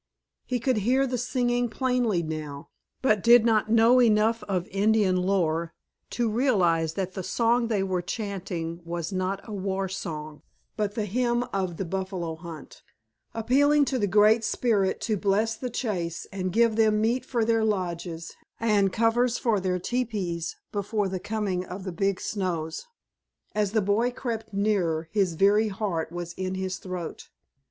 He could hear the singing plainly now, but did not know enough of Indian lore to realize that the song they were chanting was not a war song, but the hymn of the buffalo hunt, appealing to the Great Spirit to bless the chase and give to them meat for their lodges and covers for their teepees before the coming of the big snows. As the boy crept nearer his very heart was in his throat.